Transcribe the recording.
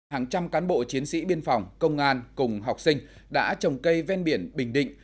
hàng trăm cán bộ chiến sĩ biên phòng công an cùng học sinh đã trồng cây ven biển bình định